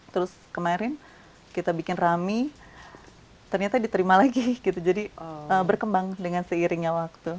terus kemarin kita bikin rami ternyata diterima lagi gitu jadi berkembang dengan seiringnya waktu